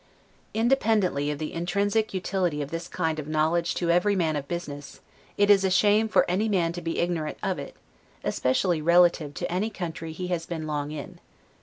Independently of the intrinsic utility of this kind of knowledge to every man of business, it is a shame for any man to be ignorant of it, especially relatively to any country he has been long in.